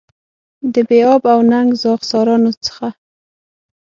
د بې آب او ننګ زاغ سارانو څخه.